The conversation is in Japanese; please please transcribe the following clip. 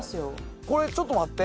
これちょっと待って。